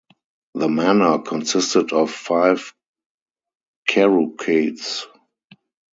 The manor consisted of five carucates.